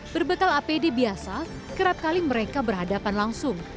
berbekal apd biasa kerap kali mereka berhadapan langsung